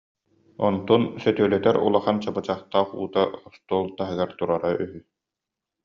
Онтун сөтүөлэтэр улахан чабычахтаах уута остуол таһыгар турара үһү